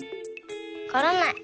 わからない。